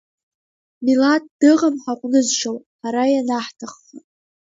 Милаҭ дыҟам ҳаҟәнызшьауа, ҳара ианаҳҭахха.